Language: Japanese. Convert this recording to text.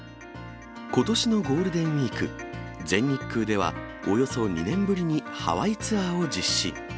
ことしのゴールデンウィーク、全日空ではおよそ２年ぶりにハワイツアーを実施。